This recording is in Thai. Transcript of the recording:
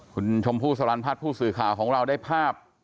คุณชมผู้สรรพาทผู้สื่อข่าวของเราได้ภาพ